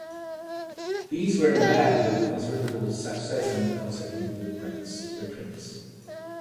These were met with considerable success and consequent reprints.